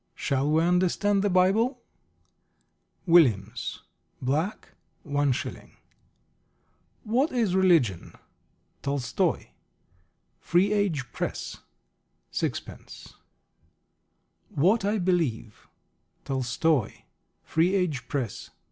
Shall We Understand the Bible? Williams. Black, 1s. What is Religion? Tolstoy. Free Age Press, 6d. What I Believe, Tolstoy. Free Age Press, 6d.